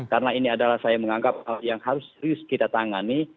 karena ini adalah saya menganggap yang harus serius kita tangani